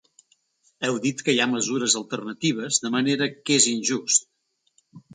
Heu dit que hi ha mesures alternatives, de manera que és injust.